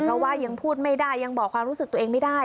เพราะว่ายังพูดไม่ได้ยังบอกความรู้สึกตัวเองไม่ได้